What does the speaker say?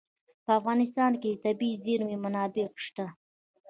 په افغانستان کې د طبیعي زیرمې منابع شته.